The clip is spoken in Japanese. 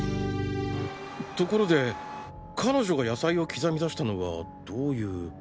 ところで彼女が野菜を刻みだしたのはどういう。